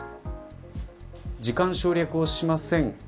時間省略をしません。